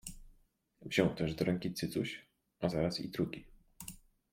Wziął też do ręki cycuś, a zaraz i drugi